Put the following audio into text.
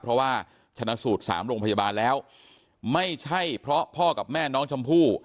เพราะว่าชนะสูตร๓โรงพยาบาลแล้วไม่ใช่เพราะพ่อกับแม่น้องชมพู่